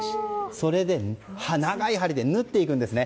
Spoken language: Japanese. それで、長い針で縫っていくんですね。